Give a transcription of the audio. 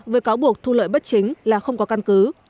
với cáo buộc thu lợi bất chính là không có căn cứ